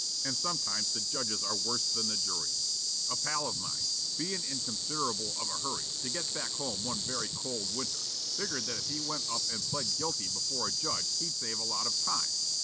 And sometimes the judges are worse than the juries. A pal of mine, bein' in considerable of a hurry to get back home one very cold winter, figured that if he went up and plead guilty before a judge he'd save a lot of time.